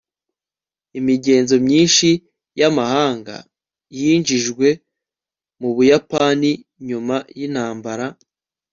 imigenzo myinshi y'amahanga yinjijwe mu buyapani nyuma yintambara